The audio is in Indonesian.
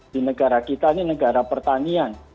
di negara kita ini negara pertanian